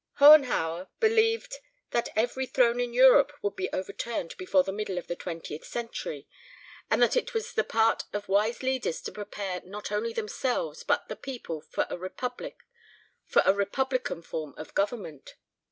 "Hohenhauer believed that every throne in Europe would be overturned before the middle of the twentieth century, and that it was the part of wise leaders to prepare not only themselves but the people for a republican form of government.